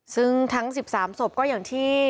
ซึ่งทั้ง๑๓ศพก็อย่างที่